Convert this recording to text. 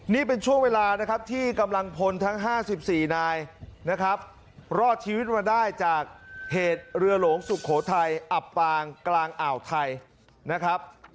นี่เป็นช่วงเวลานะครับที่กำลังพลทั้ง๕๔นายนะครับรอดชีวิตมาได้จากเหตุเรือหลวงสุโขทัยอับปางกลางอ่าวไทยนะครับ